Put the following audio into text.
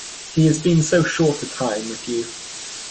He has been so short a time with you.